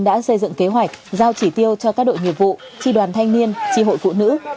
đã xây dựng kế hoạch giao chỉ tiêu cho các đội nghiệp vụ tri đoàn thanh niên tri hội phụ nữ